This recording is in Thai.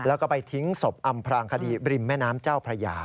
แล้วก็ไปทิ้งศพอำพลางคดีริมแม่น้ำเจ้าพระยา